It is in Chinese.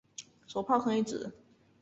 手炮可以指